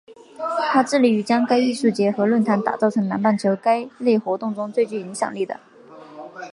它致力于将该艺术节和论坛打造成南半球该类活动中最具影响力的。